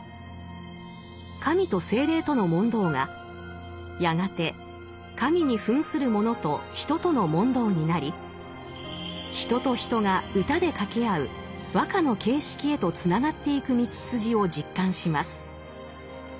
神と精霊との問答がやがて神に扮する者と人との問答になり人と人が歌で掛け合う和歌の形式へとつながっていく道筋を実感します。